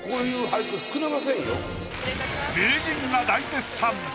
名人が大絶賛！